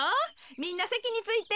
みんなせきについて。